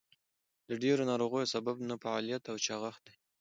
د ډېرو ناروغیو سبب نهفعاليت او چاغښت دئ.